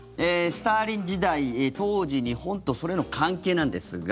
スターリン時代、当時の日本とソ連の関係なんですが。